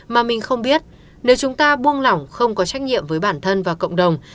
mà mình không biết nếu chúng ta buông lỏng không có trách nhiệm với bản thân và cộng đồng